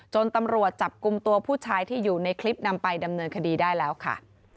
ตำรวจจับกลุ่มตัวผู้ชายที่อยู่ในคลิปนำไปดำเนินคดีได้แล้วค่ะ